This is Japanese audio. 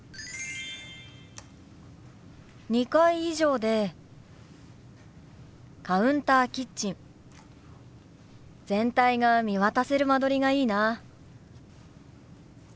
２階以上でカウンターキッチン全体が見渡せる間取りがいいな。